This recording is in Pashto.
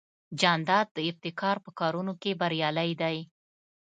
جانداد د ابتکار په کارونو کې بریالی دی.